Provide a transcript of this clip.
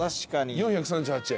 ４３８円。